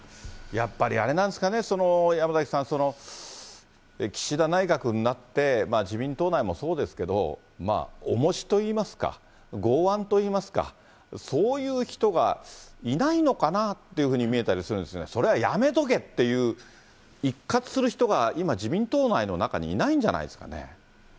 やっぱりあれなんですかね、山崎さん、岸田内閣になって、自民党内もそうですけれども、おもしといいますか、剛腕といいますか、そういう人がいないのかなっていうふうに見えたりするんですが、それはやめとけっていう、一喝する人が、今、自民党内の中にいないんじゃないですかね。